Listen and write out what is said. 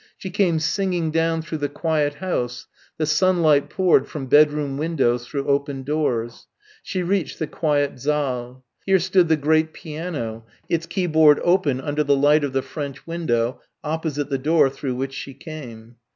She came singing down through the quiet house the sunlight poured from bedroom windows through open doors. She reached the quiet saal. Here stood the great piano, its keyboard open under the light of the French window opposite the door through which she came.